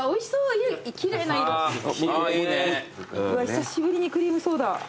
久しぶりにクリームソーダ。